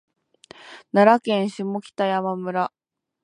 奈良県下北山村